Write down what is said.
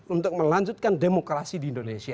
untuk melanjutkan demokrasi di indonesia